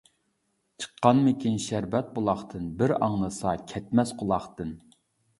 چىققانمىكىن شەربەت بۇلاقتىن، بىر ئاڭلىسا كەتمەس قۇلاقتىن.